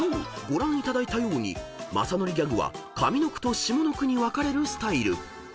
ご覧いただいたようにまさのりギャグは上の句と下の句に分かれるスタイル］